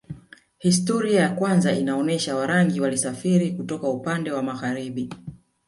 Historia ya kwanza inaonyesha Warangi walisafiri kutoka upande wa magharibi